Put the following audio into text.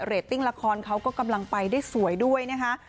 ติ้งละครเขาก็กำลังไปได้สวยด้วยนะคะ